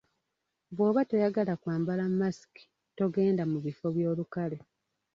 Bw'oba toyagala kwambala masiki togenda mu bifo by'olukale.